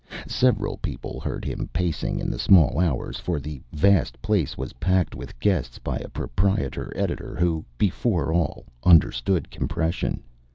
Several people heard him pacing in the small hours for the vast place was packed with guests by a proprietor editor who, before all understood compression.